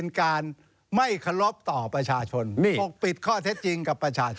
นี่นี่นี่นี่นี่นี่